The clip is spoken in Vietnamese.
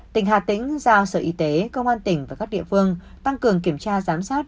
tỉnh hà tĩnh giao sở y tế công an tỉnh và các địa phương tăng cường kiểm tra giám sát